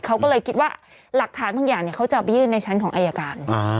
เขาก็เลยคิดว่าหลักฐานของตรงนี้เนี่ยเขาจะเอาไปยื่นในชั้นของไวยากาศ